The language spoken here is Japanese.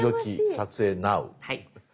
撮影ナウ！」。